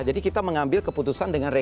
jadi kita mengambil keputusan